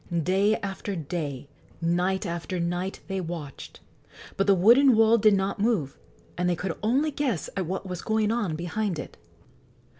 Day after day, night after night, they watched; but the wooden wall did not move, and they could only guess at what was going on behind it.